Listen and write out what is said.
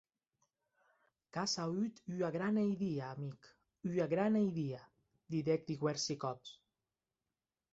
Qu’as auut ua grana idia, amic, ua grana idia, didec diuèrsi còps.